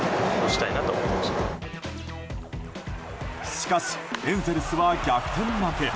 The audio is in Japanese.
しかしエンゼルスは逆転負け。